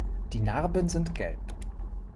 Die Narben sind gelb.